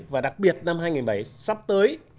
và đặc biệt năm hai nghìn bảy sắp tới